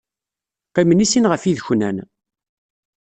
Qqimen i sin ɣef yideknan.